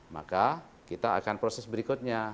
maka kita akan proses berikutnya